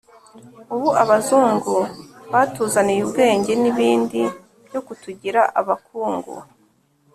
ubu abazungu batuzaniye ubwenge n’ibindi byo kutugira abakungu.